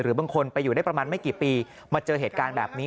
บางคนไปอยู่ได้ประมาณไม่กี่ปีมาเจอเหตุการณ์แบบนี้